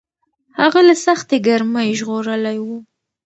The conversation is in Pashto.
هغه له سختې ګرمۍ ژغورلی و.